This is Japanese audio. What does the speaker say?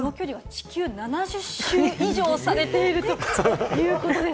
地球７０周以上されているということです。